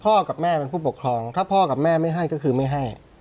กับแม่เป็นผู้ปกครองถ้าพ่อกับแม่ไม่ให้ก็คือไม่ให้